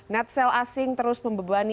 netsel asing terus membebani